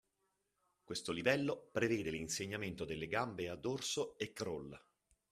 Questo livello prevede l’insegnamento delle gambe a dorso e crawl